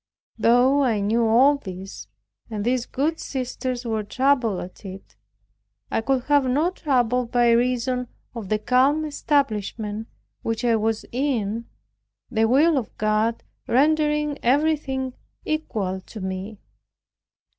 Though I knew all this, and these good sisters were troubled at it, I could have no trouble by reason of the calm establishment which I was in. The will of God rendering everything equal to me.